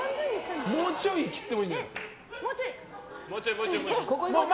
もうちょい切ってもいいんじゃないですか。